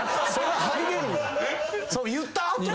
言った後や。